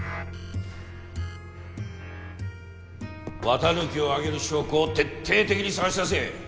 綿貫を挙げる証拠を徹底的に探し出せ！